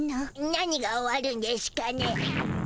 何が終わるんでしゅかね？